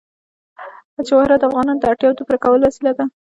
جواهرات د افغانانو د اړتیاوو د پوره کولو وسیله ده.